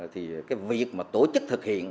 thì cái việc mà tổ chức thực hiện